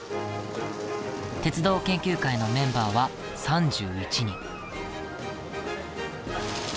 鉄道研究会のメンバーは３１人。